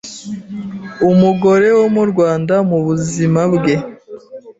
umugore wo mu Rwanda mu buzima bwe